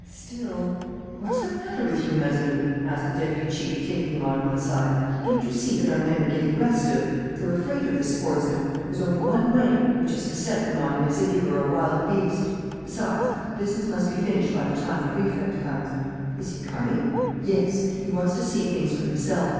"Still " "What's the matter with you, Mazeroux?" asked the deputy chief, taking him on one side. "Don't you see that our men are getting restive? They're afraid of this sportsman. There's only one way, which is to set them on him as if he were a wild beast. Besides, the business must be finished by the time the Prefect comes," "Is he coming?" "Yes. He wants to see things for himself.